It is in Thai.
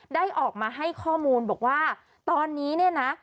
ได้ออกมาให้ข้อมูลบอกว่าตอนนี้เนี่ยนะ